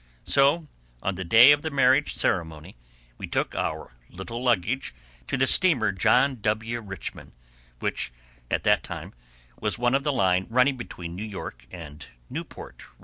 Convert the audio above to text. So, on the day of the marriage ceremony, we took our little luggage to the steamer John W. Richmond, which, at that time, was one of the line running between New York and Newport, R.